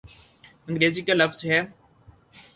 انگریزی کا لفظ ہے۔